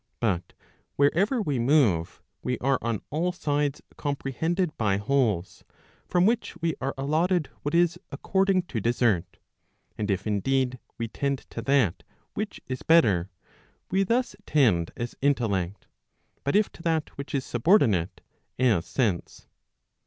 But wherever we move, we are on all sides comprehended by wholes, from which we are allotted what is, according to desert. And if indeed we tend to that which is better, we thus tend as intellect; but if to that which is subordinate, as sense.